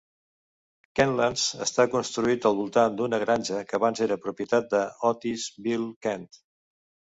Kentlands està construït al voltant d'una granja que abans era propietat d'Otis Beall Kent.